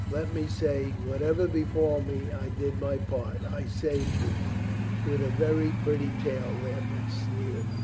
Let me say, whatever befall me, I did my part. I saved you." "With a very pretty tale," Lambert sneered.